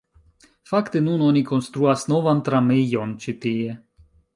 Fakte, nun oni konstruas novan tramejon ĉi tie